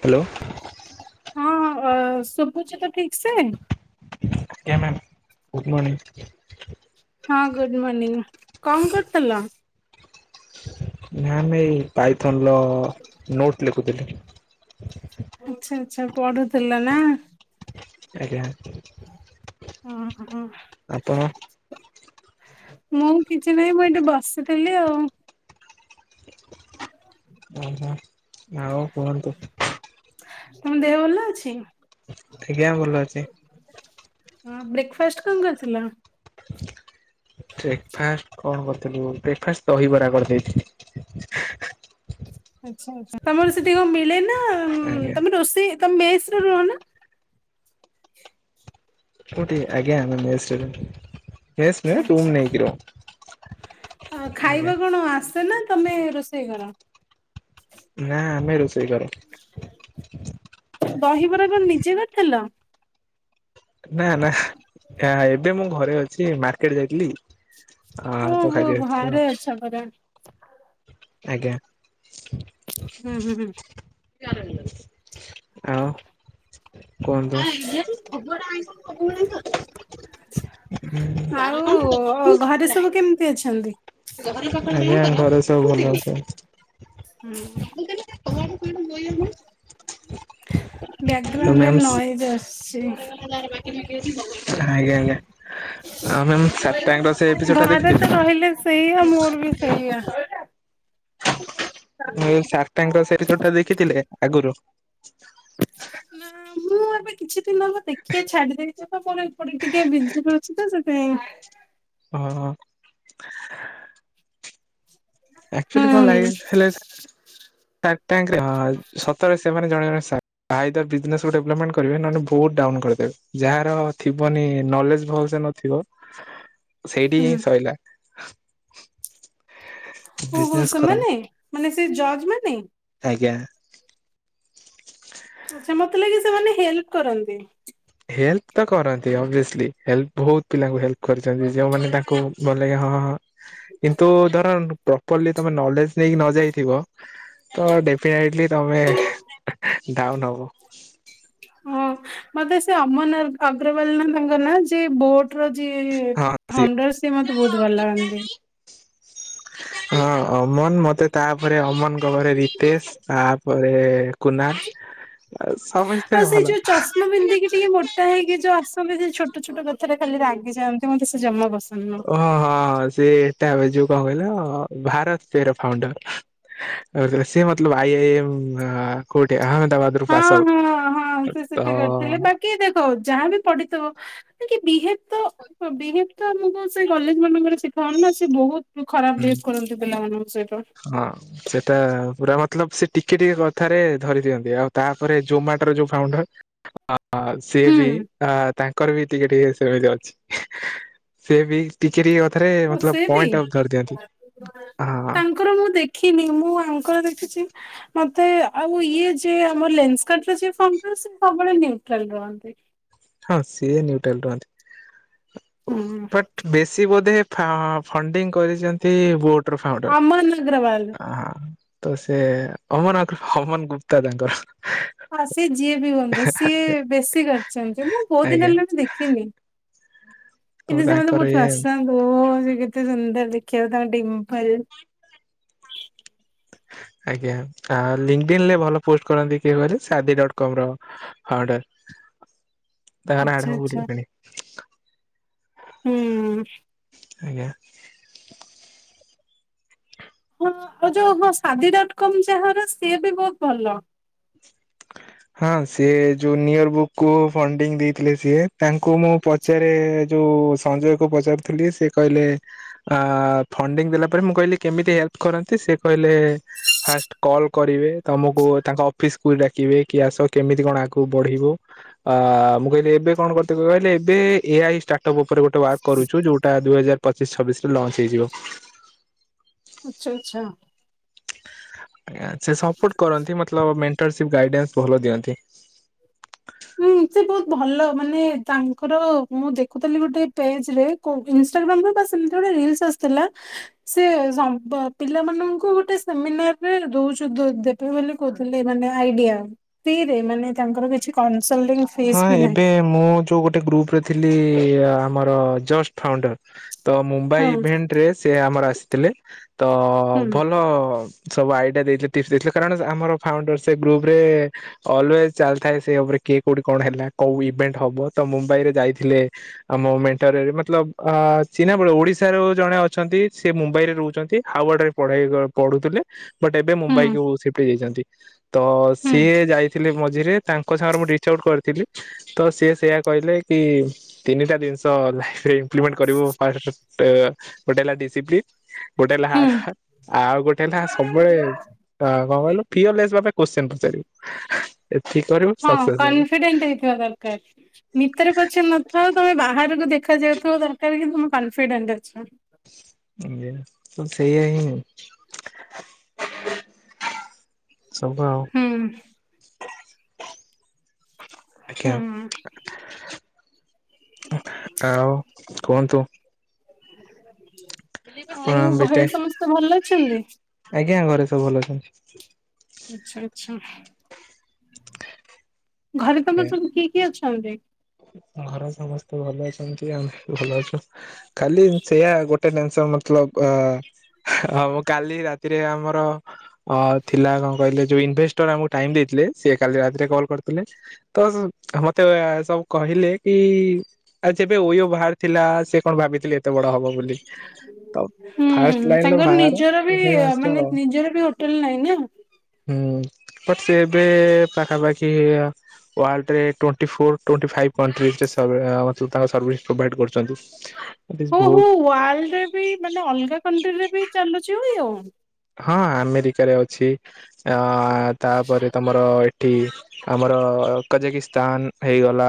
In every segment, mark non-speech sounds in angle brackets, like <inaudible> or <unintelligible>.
Hello? ହଁ ଶୁଭୁଛି ତ ଠିକ ସେ? ଆଜ୍ଞା ମ୍ୟାମ୍ ଗୁଡ଼୍ ମର୍ଣିଂ। ହଁ ଗୁଡ ମର୍ଣ୍ଣିିଂ କଣ କରୁଥିଲ। ନା ନ ଏ ପାଇଥନ ର ନୋଟ୍ ଲେଖୁଥିଲି। ଆଚ୍ଛା ଆଛା ପଢୁଥିଲା ନା। ଆଜ୍ଞା ଓହୋ ଆପଣ ମୁଁ କିଛି ନାହିଁ ମୁଁ ଏଠି ବସିଥିଲି ଆଉ। ଓହୋ ଆଉ କୁହନ୍ତୁ। ତମ ଦେହ ଭଲ ଅଛି। ଆଜ୍ଞା ଭଲ ଅଛି। ହଁ ବ୍ରେକ୍ ଫାଷ୍ଟ କଣ କରିଥିଲା। ବ୍ରେକ୍ ଫାଷ୍ଟ କଣ କରିଥିଲୁ ବ୍ରେକ୍ ଫାଷ୍ଟ ଦହିବରା କରି ଦେଇ ଥିଲୁ। ଆଛା ଆଛା ତମର ସେଠି କଣ ମିଳେ ନା ଆଜ୍ଞା। ତମେ ରୋଷେଇ ତମେ ମେସ୍ ରୁହ ନା। କଉଠି ଆଜ୍ଞା ମୁଁ ମେସରେ। ଆଛା ଆଛା ଆଜ୍ଞା। ଖାଇବ କଣ ଆସେ ନା? ତମେ ରୋଷେଇ କର? ନା ଆମେ ରୋଷେଇ ଘରେ। ଦହିବରା କଣ ନିଜେ କରିଥିଲ? ନା ନା ଏବେ ମୁଁ ଘରେ ଅଛି ମାର୍କେଟ ଯାଇଥିଲି। ହଁ ତ କାଲି ଆସିଥିଲୁ। ମିଛ କଥା। ଆଜ୍ଞା। ହୁଁ ହୁଁ ହୁଁ। ଇଆଡ଼େ ଆଉ କୁହନ୍ତୁ ଇଆଡ଼େ ସବୁ ଆଡ଼େ ଆଇସ ସବୁ ତ ବେ ଆଉ ଘରେ ସବୁ କେମିତି ଅଛନ୍ତି? <unintelligible> ଆଜ୍ଞା ଘରେ ସବୁ ଭଲ। ହୁଁ କୁଆଡେବ ହ ମୁଁ। ବ୍ୟାକ୍ଗ୍ରାଉଣ୍ଡରେ ନଏ ଯାଉଛି। ଆଜ୍ଞା ଆଜ୍ଞା। ଆମେ ଚାର ଟାଇମ ସେ ଏପିସୋ ଟା ଘରେ ତ ଦେଖିଥିଲେ। ରହିଲେ ସେଇଆ ମୋର ବି ସେଇଆ। ମୁ ଚାର ଟାଇମ ଏପିସଟ୍ ଟା ଦେଖିଥିଲେ ଆଗରୁ? ନା ମୁଁ ଏବେ କିଛି ମୁଁ ଦେଖିବା ଛାଡି ଦେଇଛି ତ ପୁଣି ଟିକେ ବିଜ ଅଛି ତ ସେଥିପାଇଁ। ହୁଁ ହୁଁ। ଆକ୍ ଚଲି କଣ ହୁଁ ଲାଇପ୍ ହେଲେ ଯେ <unintelligible> ଟଙ୍କରେ ହ ସତରେ ସେମାନେ ଜଣେ ଜଣେ ସାର୍। ଆଇଦର ବିଜନେସକୁୁ ଡେଭଲପମେଣ୍ଟ କରିବେ ନହେ ବହୁତ ଡାଉନ କରିଦେବେ ଯାହାର ଥିବନି ନଲେଜ ନଥିବ ସେଇଠି ହୁଁ ହିଁ ସରିଲା। ଓହେ ବିଜନେସ ଖତମ ସେମାନେ ମାନେ ସେ ଜଜ୍ ମାନେ ଆଜ୍ଞା। ଆଛା ମତେ ଲାଗେ ସେମାନେ ହେଲ୍ପ କରନ୍ତି। ହେଲ୍ପ ତ କରନ୍ତି ଅଭିସଲି ହେଲ୍ପ ବହୁତ ପିଲା ହେଲ୍ପ କରିଛନ୍ତି ଯେଉମାନେ ତାଙ୍କୁ ଭଲ ଲାଗିବ ହଁ ହଁ ହଁ କିନ୍ତୁ ଧର ପ୍ରପରଲି ତମେ ନଲେଜ ଦେଇ ନଯାଇଥିବ ତ ଡେଫିନେଟିଲି ତମେ ଡାଉନ ହବ। ହଁ ମତେ ସେ ଅମନ ଅଗ୍ରୱାଲ ନା ତାଙ୍କ ନା ଯେ ବୋଟ ର ଯିଏ ହଁ ସିଓର। ଫଣ୍ଡର ସିଏ ମତେ ବହୁତ ଭଲ ଲାଗନ୍ତି। ହଁ ଅମନ ମତେ ତାପରେ ଅମନଙ୍କ ଘରେ ରିତେଶ ତାପରେ କୁନା, ସମେସ୍ତେ ଭଲ। ମ ମ୍ ପିନ୍ଧିକି ଟିକେ ମୋଟା ହେଇକି ଯୋଉ ଆସନ୍ତି, ସେ ଛୋଟ ଛୋଟ କଥାରେ ଖାଲି ରାଗି ଯାଆନ୍ତି ମତ ସେ ଜମା ପସନ୍ଦ ନୁହଁ। ଓହଁ ହଁ, ସେ ଏଟା ଯୋଉ କଣ କହିଲା ଭାରତ ସେର ଫାଉଣ୍ଡର। ସେ ମତଲବ ଆଇ ଆଇଏ ଏମ୍ କୋଉଠି ଆହାମଦାବାଦ? ଟୁ ହଁ ପାସ ହଁ ଆଉଟ ତ ତ ଯାହା ବି ପଢିଥିବ ବିହେବ ତ ବିହେବ ତ ଆମକୁ ସେଇ କଲେଜ ମାନଙ୍କରେ ଶିଖାହଉନି ନା ସେ ବହୁତ ଖରାପ ହୁଁ ବିହେବ କରନ୍ତି ପିଲା ମାନଙ୍କ ସହିତ। ହଁ। ସେଟା ପୁରା ମତଲବ ସେ ଟିକେ ଟିକେ କଥାରେ ଧରି ଦିଅନ୍ତି ଆଉ ତାପରେ ଜୋମାଟର ଯୋଉ ଫାଉଣ୍ଡର ଅ ଅ ହୁଁ ସିଏବି ଅ ତାଙ୍କର ବି ଟିକେ ଟିକେ ସେମିତି ଅଛି ସେଏ ବି ଟିକେ ଟିକେ କଥାରେ ଆଉ ମତଲବ୍ ସେ ବି ପଏଣ୍ଟ ଆଉ ତାଙ୍କର ମୁଁ ଦେଖିନି, ମୁଁ ଆଙ୍କର ଦେଖିଛି। ମତେ ଆଉ ଇଏ ଯେ ଆମ ଲେନସ୍କାର୍ଟ ର ଯିଏ ଫାଉଣ୍ଡର, ସିଏ ସବୁବେଳେ ନିଉଟ୍ରାଲ ରୁହନ୍ତି। ହଁ ସିଏ ନିୟୁଟ୍ରାଲ ହୁଁ ରୁହନ୍ତି ବଟ ବେଶୀ ବୋଧେ ଫା ଫଣ୍ଡିଙ୍ଗ କରିଛନ୍ତି ବୋଟ ର ଫାଉଣ୍ଡର ଅମନ ଅଗ୍ରୱାଲ। ହଁ। ତ ସେ ଅମନ ଅଗ୍ର ଅମନ ଗୁପ୍ତା ତାଙ୍କର। ହଁ ସିଏ ଯିଏ ବି ହୁଅନ୍ତୁ, ସିଏ ବେଶୀ କରିଛନ୍ତି ମୁଁ ବହୁତ ଦିନ ଆଜ୍ଞା ହେଲା ବି ଦେଖିନି। ତ କିନ୍ତୁ ସେମାନେ ତାଙ୍କର ମତେ ଇଏ ବହୁତ ପସନ୍ଦ ହୋ ସେ କେତେ ସୁନ୍ଦର ଦେଖିବାକୁ ତାଙ୍କ ଡିମ୍ପଲ ଆଜ୍ଞା, ଆ ଲିଙ୍କଡଇନ୍ ରେ ଭଲ ପୋଷ୍ଟ କରନ୍ତି କିଏ କହିଲେ ସାଦି ଡଟକମ ର। ହାଉଡର ତାଙ୍କ ନା ଆଚ୍ଛା ଆଚ୍ଛା <unintelligible> ହୁଁ। ଆଜ୍ଞା। ହଁ ଯୋଉ ହଁ ସାଦି ଡଟ କମ୍ ଯାହାର, ସିଏ ବି ବହୁତ ଭଲ। ହଁ ସେ ନିୟର ବୁକ୍ କୁ ଫଣ୍ଡିଙ୍ଗ ଦେଇଥିଲେ ସିଏ, ତାଙ୍କୁ ମୁଁ ପ ପଚାରେ ଯୋଉ ସଞ୍ଜୟ କୁ ପଚାରୁଥିଲି ସେ କହିଲେ ଅ ଫଣ୍ଡିଙ୍ଗ ଦେଲା ପରେ ମୁଁ କହିଲି କେମିତି ହେଲ୍ପ କରନ୍ତି ସେ କହିଲେ ଫାଷ୍ଟ କଲ୍ କରିବେ ତମକୁ ତାଙ୍କ ଅଫିସ କୁ ଡାକିବେ କି ଆସ କେମିତି କଣ ଆଗକୁ ବଢିବ। ଅ ମୁଁ କହିଲି ଏବେ କଣ କରିିତେ କହିଲେ ଏବେ ଏଆଇ ଷ୍ଟା ଷ୍ଟାଟପ୍ ଉପରେ ଗୋଟେ ୱାର୍କ କରୁଚୁ ଯୋଉଟା ଦୁଇ ହଜାର ପଚିଶ ଛବିଶ ରେ ଲଞ୍ଚ ହେଇଯିବ। ଆଚ୍ଛା ଆଚ୍ଛା। ଆଛା ସେ ସପୋର୍ଟ କରନ୍ତି ମତଲବ୍ ମେଣ୍ଟରସିପ ଗାଇଡାନ୍ସ ଭଲ ଦିଅନ୍ତି। ହୁଁ, ସେ ବହୁତ ଭଲ ମାନେ ତାଙ୍କର ମୁଁ ଦେଖୁଥିଲି ଗୋଟେ ପେଜ ରେ କୋଉ ଇନଷ୍ଟାଗ୍ରାମ ରେ ବାସ୍ ଏମିତି ଗୋଟେ ରିଲସ ଆସିଥିଲା। ସେ ସମ୍ପ ପିଲାମାନଙ୍କୁ ଗୋଟେ ସେମିନାର ରେ ଦଉଛ ଦେ ଦେ ଦେବେ ବୋଲି କହୁଥିଲି ମାନେ ଆଇଡିଆ ମାନେ ଫ୍ରୀ ରେ ତାଙ୍କର କିଛି କନ୍ସୁଲଡିଂ ହଁ, ଏବେ ମୁଁ ଯୋଉ ଗୋଟେ ଗ୍ରୁପ ରେ ଥିଲି ଆମର ଜଷ୍ଟ ଫାଉଣ୍ଡର ତ ମୁମ୍ବାଇ ହୁଁ ଇଭେଣ୍ଟ ରେ ସେ ଆମର ଆସିଥିଲେ ତ ହୁଁ ଭଲ ସବୁ ଆଇଡିଆ ଦେଇଥିଲେ ଟିପସ ଦେଇଥିଲେ କାରଣ ଆମର ଫାଉଣ୍ଡର ସେ ଗ୍ରୁପ ରେ ଅଲୱେଜ ଚାଲିଥାଏ ସେ ଉପରେ କିଏ କୋଉଠି କଣ ହେଲା, କୋଉ ଇଭେଣ୍ଟ ହବ ତ ମୁମ୍ବାଇ ରେ ଯାଇଥିଲେ। ଆମ ମେଣ୍ଟରରେ ମତଲବ ଅ ଚିହ୍ନା ବଳେ ଓଡିଶାରେ ଜଣେ ଅଛନ୍ତି, ସେ ମୁମ୍ବାଇ ରେ ରହୁଛନ୍ତି ହାୱାଡ ରେ ପଢାଇ କ ପଢୁଥିଲେ ବଟ୍ ଏବେ ହୁଁ ମୁମ୍ବାଇ କୁ ସିଫ୍ଟ ହେଇ ଯାଇଛନ୍ତି ତ ହୁଁ ସିଏ ଯାଇ ଥିଲେ ମଝିରେ ତାଙ୍କ ସାଙ୍ଗରେ ମୁ ଢେ ଚାଉଟ୍ କରିଥିଲି ତ ସିଏ ସେୟା କହିଲେ କି ତିନିଟା ଜିନିଷ ତ ଲାଇଫରେ ଇମ୍ପ୍ଲିମେଣ୍ଟ କରିବ ଫାଷ୍ଟ ଗୋଟେ ହେଲା ଡିସିପ୍ଲିନ୍। ଗୋଟେ ହେଲା ହୁଁ। <unintelligible> ଆଉ ଗୋଟେ ଲା ସବୁବେଳେ ଆ କଣ କହିଲୁ ଫିୟରଲେସ୍ ଭାବେ କସ୍ଚୀନ୍ ପଚାରିବୁ ଏତିକି କରିବୁ ହଁ ହବୁ କନଫିଡେଣ୍ଟ ହେଇଥିବା ଦରକାର। ଭିତରେ ପଛେ ନଥାଉ ତମେ ବାହାରକୁ ଦେଖା ଯାଉଥିବ ଦରକାର କିନ୍ତୁ ମୁଁ କନଫିଡେଣ୍ଟ ଅଛି। ଆୟା ସେଇଆ ହିଁ। ସବୁ ଆଉ। ଉମ୍। ହଁ। ଆଜ୍ଞା ଆଉ କୁହନ୍ତୁ। ଆପଣ ଆଉ ଘରେ ବିଟେକ୍ ସମସ୍ତେ ଭଲ ଅଛନ୍ତି? ଆଜ୍ଞା ଘରେ ସବୁ ଭଲ ଅଛନ୍ତି। ଆଚ୍ଛା, ଆଛା। ଘରେ ତମର ସବୁ କିଏ କିଏ ଅଛନ୍ତି? ଘର ସମସ୍ତେ ଭଲ ଅଛନ୍ତି ଆମେ ବି ଭଲ ଅଛୁ ଖାଲି ସେୟା ଗୋ <unintelligible> ଆମ କାଲି ରାତିରେ ଆମର ଅ ଥିଲା କଣ କହିଲେ ଯଉ ଇନଭେଷ୍ଟର ଆମକୁ ଟାଇମ ଦେଇଥିଲେ, ସେ କାଲି ରାତିରେ କଲ୍ କରିଥିଲେ। ତସ୍ ମତେ ଉ -ଏ- ସବ୍ କହିଲେ କି ଆ ଯେବେ ଓଇଓ ବାହାରି ଥିଲା ସେ କଣ ଭାବିଥିଲେ ଏତେ ବଡ ହବ ବୋଲି। ତ ହୁଁ ଫାଷ୍ଟ ଲାଇନ ର ତାଙ୍କର ବାହାର ନିଜର ବି ତିନି ମାସର ମାନେ ନିଜର ବି ହୋଟେଲ ନାହିଁ ନା। ଉମ୍ ବଟ୍ ସେ ଏବେ ପାଖାପାଖି ୱାର୍ଲ୍ଡରେ twenty four twenty five countries ରେ ସର୍ଭେ <unintelligible> ତାଙ୍କ ସର୍ଭିସ ପ୍ରୋଭାଇଡ କରିଛନ୍ତି। ହୋ ହୋ ୱାର୍ଲଡରେ ବି ମାନେ ଅଲଗା କଣ୍ଟ୍ରିରେ ବି ଚାଲୁଛି ଓଇୟୋ। ହଁ ଆମେରିକାରେ ଅଛି, ଅ ତାପରେ ତମର ଏ ଏଠି ଆମର କଜେକିସ୍ତାନ ହେଇଗଲା।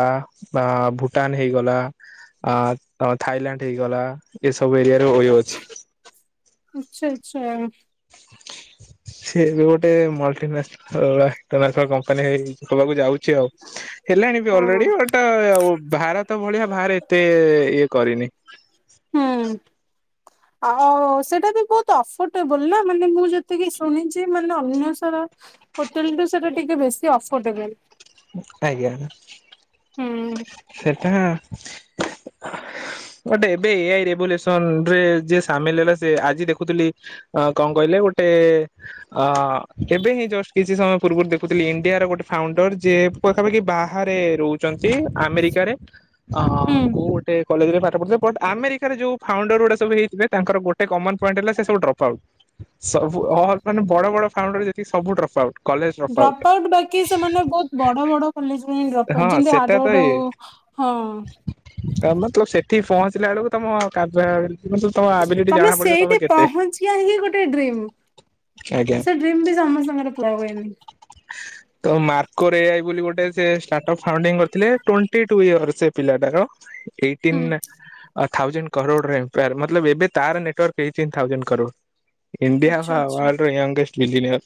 ବା ଭୁଟାନ ହେଇଗଲା, ଆ ହଁ ଥାଇଲାଣ୍ଡ ହେଇଗଲା, ଏସବୁ ଏରିଆରେ ଓୟୋ ଅଛି। ଆଚ୍ଛା, ଆଚ୍ଛା। ସିଏ ବି ଗୋଟେ ମଲ୍ଟିନେସ ହ ଉ ଆ କୋନାର୍କ କମ୍ପାନୀ ହେଇ ହବାକୁ ଯାଉଛି ଆଉ। ହେଲାଣି ବି ହଁ। ଅଲରେଡି ବଟ ଭାରତ ଭଳିଆ ବାହାରେ ଏତେ ଇଏ କରିନି। ହଁ। ଆ ସେଟା ବି ବହୁତ ଅଫୋର୍ଟେବୁଲ ନା ମାନେ ମୁଁ ଯେତିକି ଶୁଣିଛି ମାନେ ଅନ୍ୟ ସର ହୋଟେଲ ଠୁ ସେଟା ଟିକେ ବେଶୀ ଅଫୋର୍ଡେବଲ। ଆଜ୍ଞା। ହୁଁ। ସେଟା <inaudible> ଗୋଟେ ଏବେ ଏ ଆଇ ରେଭଲୁସନ ରେ ଯିଏ ସାମିଲ ହେଲା ସେ ଆଜି ଦେଖୁଥିଲି ହଁ କଣ କହିଲେ ଗୋଟେ ଅ ଏବେ ହିଁ ଜଷ୍ଟ କିଛି ସମୟ ପୂର୍ବରୁ ଦେଖୁଥିଲି ଇଣ୍ଡିଆ ର ଗୋଟେ ଫାଉଣ୍ଡର ଯିଏ ପାଖାପାଖି ବାହାରେ ରହୁଛନ୍ତି। ଆମେରିକାରେ ଅ ହୁଁ କୋଉ ଗୋଟେ କଲେଜ ରେ ପାଠ ପଢୁଥିଲେ ବଟ୍ ଆମେରିକାର ଯୋଉ ଫାଉଣ୍ଡର ଗୁଡା ସବୁହେଇଥିବେ ତାଙ୍କର ଗୋଟେ କମନ ପଏଣ୍ଟ ହେଲା ସେ ସବୁ ଡ୍ରପ୍ଆଉଟ୍। ସବୁ ଅଲ୍ ମାନେ ବଡ ବଡ ଫାଉଣ୍ଡର ଯେଥି ସବୁ ଡ୍ରପ୍ ଆଉଟ। ଡ୍ରପ ଆଉଟ୍ ବାକି ସେମାନେ ବହୁତ ବଡ ବଡ ପୋଲିସ୍ ପାଇଁ ଡ୍ରପ ଆଉଟ୍ ହଁ ଯେମିତି ସେଟା ତ ହାର୍ଡହାର୍ଡ ଓ ଇଏ ହଁ ମତଲବ ସେଠି ପହଞ୍ଚିଲା ବେଳକୁ ତମ <unintelligible> ତମେ ପଡିବ ସେଇଠି କେତେ ପହଞ୍ଚିବା ହିଁ ଗୋଟେ ଡ୍ରିମ୍ ଆଜ୍ଞା ସେ ଡ୍ରିମ୍ ବି ସମସ୍ତଙ୍କର ପୁରା ହୁଏନି। ତ ମାର୍କୋର୍ ଏ ଆଇ ବୋଲି ଗୋଟେ ସେ ଷ୍ଟାର୍ଟଅପ ଫାଉଣ୍ଡିଂ କରିଥିଲେ ଟଣ୍ଟି ଟୁ ଇୟର୍ ସେ ପିଲାଟାର ଏଇଟିନ୍ ହୁଁ ନା ଥାଜଣ୍ଡ କରୋଡ ମାନେ ଏବେ ତାର ନେଟାର୍ ହେଇ ଜ କରୋଡ। ଇଣ୍ଡିଆ୍ ଆଚ୍ଛା ବା ଆଚ୍ଛା ୱର୍ଲ୍ଡ ର ୟୁଙ୍ଗେଷ୍ଟ ବିଳିନିଅର୍।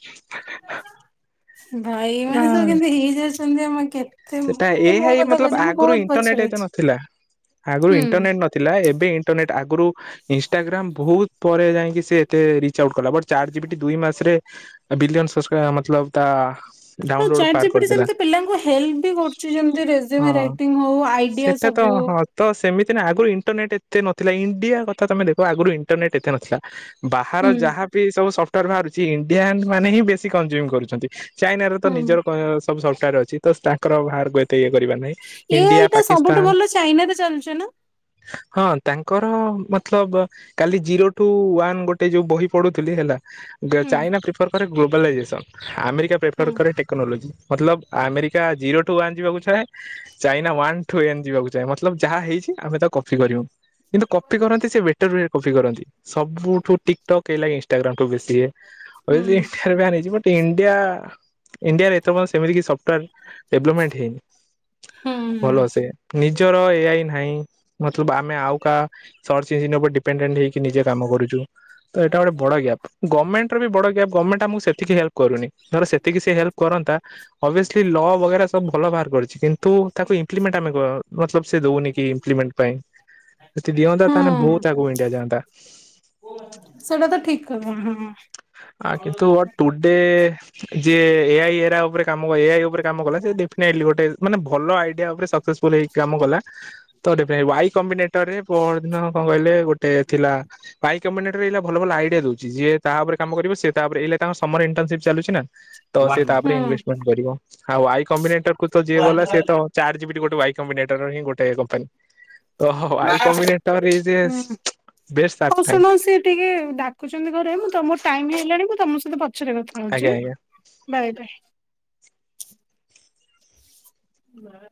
ଭାଇ ମାନ ସବୁ କେନ୍ତୁ ହେଇଯାଉଛନ୍ତି ଆମ କେତେ ସେଟା ଏ ମୁଁ ମୋ ଏଇ କଥା ମତଲବ କହୁଛି ମୁଁ ଆଗରୁ ବହୁତ ଇଣ୍ଟରନେଟ୍ ପଛରେ ଏତେ ଅଛି ନଥିଲା ଆଗରୁ ହୁଁ। ଇଣ୍ଟରନେଟ ନଥିଲା। ଥିଲା ଏବେ ଇଣ୍ଟରନେଟ୍ ଆଗରୁ ଇନଷ୍ଟାଗ୍ରାମ୍ ବହୁତ ପରେ ଯାଇକି ସେ ତେ ରିଚ ଆଉଟ୍ କଲା ବଟ ଚାର ଜିବଟି ଦୁଇ ମାସରେ ବିଲୟନ ମତଲବ ତା ହଁ ଡାଉନଲୋଡ ଚାଟ୍ ପାର ଗିପିଟି କରିଦେଲା ସେମତି ପିଲାଙ୍କୁ ହେଲ୍ କରୁ ଯେମତି ରେଶୁମେ ହଁ। ରାଇଟ୍ଟିଂ ହଉ ଆଇଡିଆ ସେଟା ତ ସବୁ ହଁ ତ ସେମିତି ନା ଆଗରୁ ଇଣ୍ଟରନେଟ୍ ଏତେ ନ ଥିଲା ଇଣ୍ଡିଆ କଥା ତମେ ଦେଖ ଆଗରୁ ଇଣ୍ଟରନେଟ୍ ଏତେ ନଥିଲା। ବାହାର ହୁଁ ଯାହାବି ସବୁ ସଫଟାର ବାହାରୁଛି ଇଣ୍ଡିଆନ୍ ମାନେ ହିଁ ବେଶୀ କନଜୁମ କରୁଛନ୍ତି। ଚାଇନାର ତ ହୁଁ ନିଜର ସବୁ ସଫ୍ଟୱେର ଅଛି ତ ତାଙ୍କର ବାହାରକୁ ଏତେ ଇଏ କରିବା ନାହିଁ। ଇଣ୍ଡିଆ ଏଇଟା ପାକିସ୍ତାନ ସବୁଠୁ ଭଲ ଚାଇନା ରେ ଚାଲୁଛ ନା? ହଁ ତାଙ୍କର ମତଲବ କାଲି ଜିରୋ ଟୁ ୱନ୍ ଗୋଟେ ଯୋଉ ବହି ପଢୁଥିଲି ହେଲା। ହୁଁ ଚାଇନା ପ୍ରିଫର କରେ ଗ୍ଲୋବାଲାଇଜେସନ୍ ଆମେରିକା ହୁଁ ପ୍ରିଫର କରେ େନୋଲୋ ମତଲବ ଆମେରିକା ଜିରୋ ଟୁ ୱନ୍ ଯିବାକୁ ଚାହେଁ। ଚାଇନା ୱାନ୍ ଟୁ ଏନ୍ ଯିବାକୁ ଚାହେ ମତଲବ ଯାହା ହେଇଛି ଆମେ ତା କପି କରିବୁ। କିନ୍ତୁ କଫି କରନ୍ତି ସେ ବେଟର କଫି କରନ୍ତି ସବୁଠୁ ଟିକଟକ୍ ହେଇଲା କି ଇନଷ୍ଟାଗ୍ରାମ ଠୁ ବେଶି। ହୁଁ ଇଣ୍ଡିଆରେ ହେଇ ବ ଇଣ୍ଡିଆ ଇଣ୍ଡିଆରେ ଏତେ ସେମିତି କି ସଫ୍ଟୱେର ଡଭଲପମେଣ୍ଟ ହେନି। ହୁଁ ଭଲସେ ନିଜର ଏଇଆଇ ନାହିଁ ମତଲବ ଆମେ ଆଉ କାହା ସର୍ଚ୍ଚ ଇଞ୍ଜନ୍ ଉପରେ ଡିପେଣ୍ଡେଣ୍ଟ ହେଇକି ନିଜ କାମ କରୁ ତ ଏଇଟା ଗୋଟେ ବଡ ଗ୍ୟାପ୍। ଗଭର୍ଣ୍ମଣ୍ଟ ବି ବ ଗ୍ୟାପ ଗଭର୍ଣ୍ମେଣ୍ଟ ଆମକୁ ସେତିକି ହେଲ୍ପ କରୁନି ଧଲେ ସେତିକି ସେ ହେଲ୍ପ କରନ୍ତା ଓବାୟୋଉ ଲ ବଗେରା ସୁ ଭଲ ବାହାର କରିଛି କିନ୍ତୁ ତାକୁ ଇମ୍ପ୍ଲିମେଣ୍ଟ ଆମେ ମ ସେ ଦଉନି କି ଇମ୍ପ୍ଲିମେଣ୍ଟ ପାଇଁ ଯଦି ଦିଅନ୍ତା ତାହେଲେ ହୁଁ ବହୁତ ଆଗକୁ ଇଣ୍ଡିଆ ଯାଆନ୍ତା। ସେଇଟା ତ ଠିକ କ ହଁ ଆ କିନ୍ତୁ ଟୁଡେ ଯିଏ ଏଆଇ ଏରା ଉପରେ କାମ କ ଏଆଇ ଉପରେ କାମ କଲା ସେ ଟ ଗୋଟେ ମାନେ ଭଲ ଆଇଡିଆ ଉପରେ ସକ୍ସେସଫୁଲ ହେଇ କାମ କଲା ତ ଡିଫେ ୱାଇ କମିନେଟ୍ ଟରେ ପରଦିନ କଣ କହିଲେ ଗୋଟେ ଥିଲା ପାଇକ୍ କମିନେଟରେ ଏଇନା ଭଲ ଭଲ ଆଇଡିଆ ଦଉଛି ଯିଏ ତା ଉପରେ କାମ କରିବ ସେ ତାପରେ ଏଇଲେ ତାଙ୍କ ସମର ଇଣ୍ଟର୍ନସିପ୍ ଚାଲଛି ନା। ତ ସେ ତାପରେ ହୁଁ। ଇନଭେଷ୍ଟମେଣ୍ଟ କରିବ ଆଉ ଆଇ କବିନେଟର କୁ ତ ଯିଏ ଗଲା ସିଏ ତ ଚାର୍ଟ ଜିପିଟିବି ଗୋଟେ ୱାଇ କମ୍ବିନେଟର ହିଁ ଗୋଟେ କମ୍ପାନୀ। ଓହୋ ଆଇ କମ୍ବିନେଟର ଇଏ ଯିଏ ହୁଁ ବେଷ୍ଟ ହଉ ଶୁଣ ଆଡ୍‌ଫାଇଟ। ସିଏ ଟିକେ ଡାକୁଛନ୍ତି ଘରେ ମୁଁ ତମର ଟାଇମ ହେଲାଣି ମୁଁ ତମ ସହିତ ପଛରେ କଥା ଆଜ୍ଞା ହଉଛି। ଆଜ୍ଞା। Bye bye. ବା